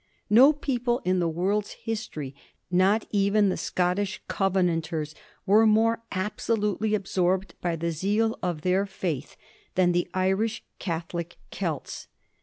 No people in the world's his tory, not even the Scottish Covenanters, were more abso lutely absorbed by the zeal of their faith than the Irish Catholic Celts.